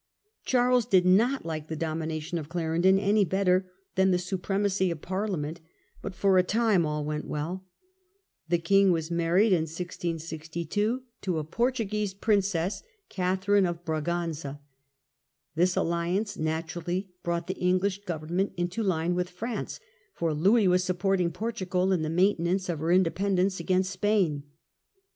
Charles did not like the domination of Clarendon any better than the supremacy of Parliament, but, for a time, all went well. The king was married (1662) to a 74 FOREIGN POLITICS. Portuguese princess, Catharine of Braganza. This alliance naturally brought the English government into line with France, for Louis was supporting Portugal in the main tenance of her independence against Spain.